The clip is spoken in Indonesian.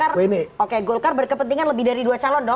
golkar berkepentingan lebih dari dua calon dong